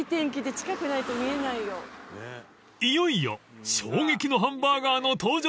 ［いよいよ衝撃のハンバーガーの登場です］